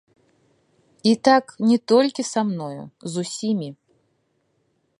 І так не толькі са мною, з усімі.